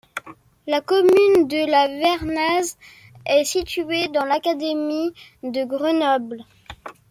La commune de La Vernaz est située dans l'académie de Grenoble.